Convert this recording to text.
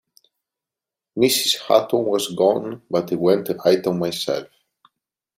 Mrs. Houghton was gone, but I went right on myself.